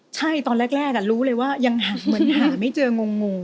ใช่ตอนแรกรู้เลยว่ายังเหมือนหาไม่เจองง